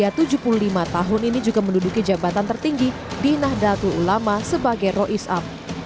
maruf amin mengaku tak pernah ikut dalam pembahasan